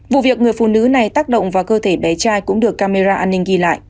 vụ việc người phụ nữ này tác động vào cơ thể bé trai cũng được camera ăn